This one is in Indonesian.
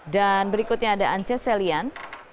dan berikutnya ada ance selian